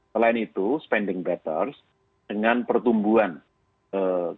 selain itu spending better dengan pertumbuhan belanja yang lebih rendah